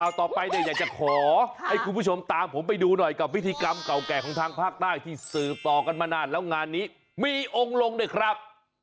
เอาต่อไปเนี่ยอยากจะขอให้คุณผู้ชมตามผมไปดูหน่อยกับพิธีกรรมเก่าแก่ของทางภาคใต้ที่สืบต่อกันมานานแล้วงานนี้มีองค์ลงด้วยครับ